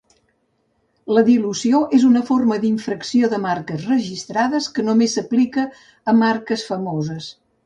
La dilució és una forma d'infracció de marques registrades que només s'aplica a marques famoses.